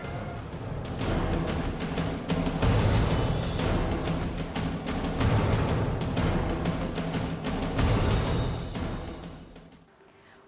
dikasihkan link di bawah ini